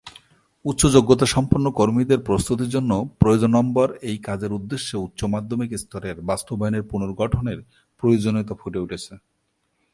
উচ্চ যোগ্যতাসম্পন্ন কর্মীদের প্রস্তুতির জন্য প্রয়োজনম্বর এই কাজের উদ্দেশ্য উচ্চ মাধ্যমিক স্তরের বাস্তবায়নের পুনর্গঠনের প্রয়োজনীয়তা ফুটে উঠেছে।